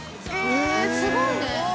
すごいね。